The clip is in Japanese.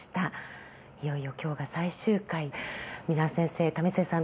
いよいよ今日が最終回蓑輪先生為末さん